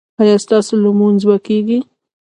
ایا ستاسو لمونځ به کیږي؟